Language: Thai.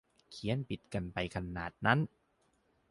เขียนบิดกันไปขนาดนั้น